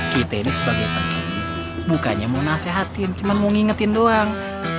kita ini sebagai paket ini bukannya mau nasehatin cuman mau ngingetin doang